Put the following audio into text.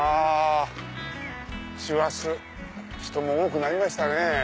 師走人も多くなりましたね。